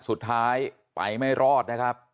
สุดท้ายไปไม่รอดนะครับ